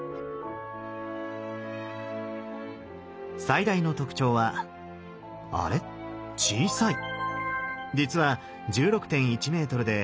最大の特徴はあれ小さい？